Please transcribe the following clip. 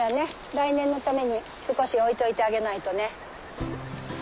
来年のために少し置いといてあげないとね。